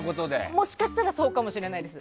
もしかしたらそうかもしれないです。